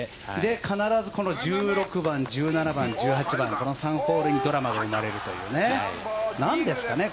必ず１６番、１７番、１８番この３ホールにドラマが生まれるという。